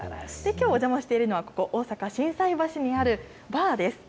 きょう、お邪魔しているのはここ、大阪・心斎橋にあるバーです。